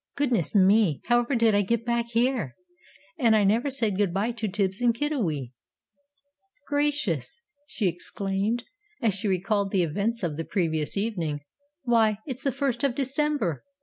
"Goodness me! however did I get back here? And I never said good bye to Tibbs and Kiddiwee! "Gracious!" she exclaimed, as she recalled the events of the previous evening, "why, it's the First of December!